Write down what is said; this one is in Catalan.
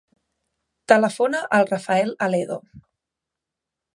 Telefona al Rafael Aledo.